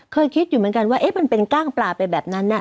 เคยคิดอยู่เหมือนกันว่ามันเป็นกล้างปลาไปแบบนั้น